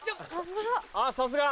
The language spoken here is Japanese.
さすが。